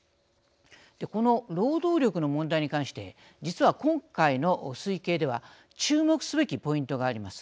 この労働力の問題に関して実は今回の推計では注目すべきポイントがあります。